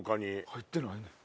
入ってないねん。